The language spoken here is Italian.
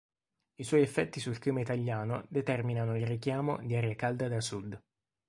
I suoi effetti sul clima italiano determinano il richiamo di aria calda da sud.